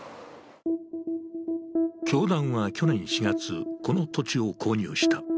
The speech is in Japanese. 教団は去年４月、この土地を購入した。